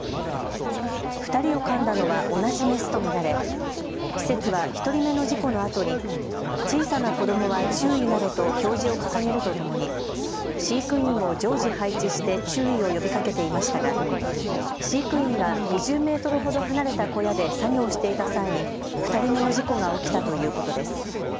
２人をかんだのは同じメスと見られ施設は１人目の事故のあとに小さな子どもは注意などと表示を掲げるとともに飼育員を常時配置して注意を呼びかけていましたが飼育員が２０メートルほど離れた小屋で作業していた際に２人目の事故が起きたということです。